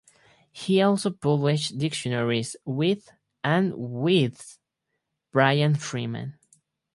He also published dictionaries with and with Bryant Freeman.